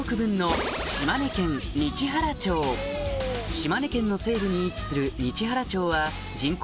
島根県の西部に位置する日原町は人口